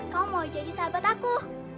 kau mau jadi sahabat aku